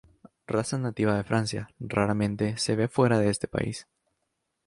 Raza nativa de Francia, raramente se ve fuera de este país.